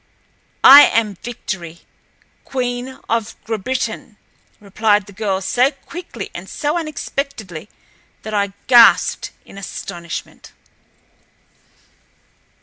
"I am Victory, Queen of Grabritin," replied the girl so quickly and so unexpectedly that I gasped in astonishment.